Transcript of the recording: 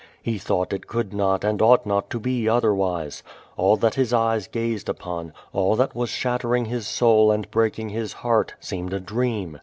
He thonght it could not and ought not to be othenvise. All that his eyes gazed upon, all that was shattering his soul and breaking his heart, seemed a dream.